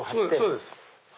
そうです。